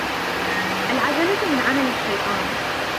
العجلة من عمل الشيطان.